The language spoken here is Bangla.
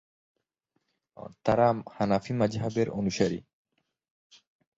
তারা হানাফি মাযহাব এর অনুসারী।